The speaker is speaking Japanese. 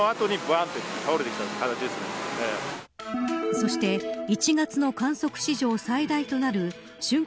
そして１月の観測史上最大となる瞬間